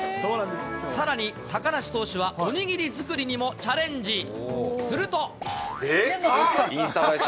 さらに、高梨投手はおにぎり作りにもチャレンジ。